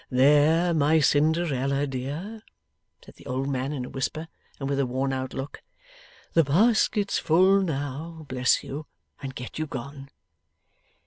'There, my Cinderella dear,' said the old man in a whisper, and with a worn out look, 'the basket's full now. Bless you! And get you gone!